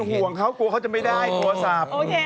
ห่วงเขากลัวเขาจะไม่ได้โทรศัพท์